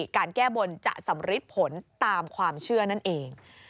การแก้บนจะสำริดผลตามความเชื่อนั่นเอง